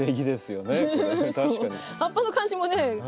葉っぱの感じもね